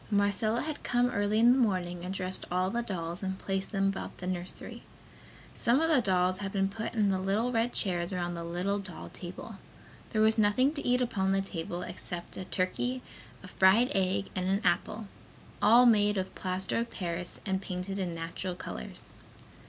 Marcella had come early in the morning and dressed all the dolls and placed them about the nursery. Some of the dolls had been put in the little red chairs around the little doll table. There was nothing to eat upon the table except a turkey, a fried egg and an apple, all made of plaster of paris and painted in natural colors.